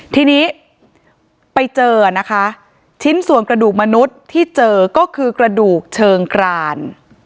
ทีนี้ไปเจอนะคะชิ้นส่วนกระดูกมนุษย์ที่เจอก็คือกระดูกเชิงกราน